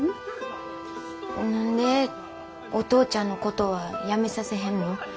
何でお父ちゃんのことはやめさせへんの？